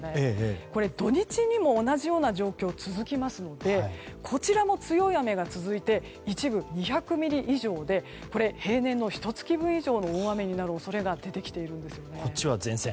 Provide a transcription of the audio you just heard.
これ、土日にも同じような状況が続きますのでこちらも強い雨が続いて一部２００ミリ以上で平年のひと月分以上の大雨になる恐れが出てきているんですね。